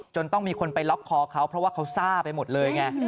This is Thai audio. ต้องมีคนไปล็อกคอเขาเพราะว่าเขาซ่าไปหมดเลยไง